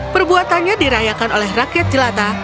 perbuatannya dirayakan oleh rakyat jelata